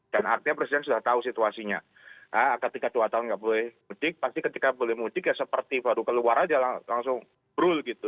dan artinya presiden sudah tahu situasinya ketika dua tahun nggak boleh mudik pasti ketika boleh mudik ya seperti baru keluar aja langsung brul gitu